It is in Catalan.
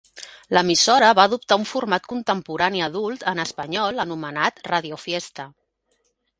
L'emissora va adoptar un format contemporani adult en espanyol anomenat "Radio Fiesta".